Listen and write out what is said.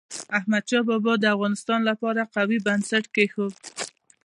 احمد شاه بابا د افغانستان لپاره قوي بنسټ کېښود.